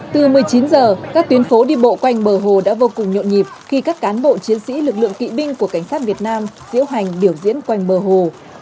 từ một mươi chín giờ các tuyến phố đi bộ quanh bờ hồ đã vô cùng nhộn nhịp khi các cán bộ chiến sĩ lực lượng kỵ binh của cảnh sát việt nam diễu hành biểu diễn quanh bờ hồ